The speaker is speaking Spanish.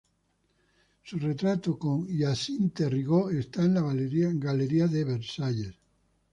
Su retrato por Hyacinthe Rigaud está en la galería de Versalles.